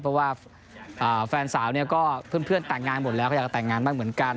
เพราะว่าแฟนสาวเนี่ยก็เพื่อนแต่งงานหมดแล้วก็อยากจะแต่งงานบ้างเหมือนกัน